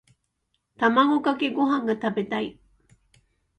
卵かけご飯が食べたい。